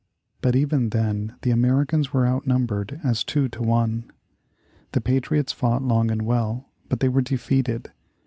But even then the Americans were outnumbered as two to one. The patriots fought long and well, but they were defeated.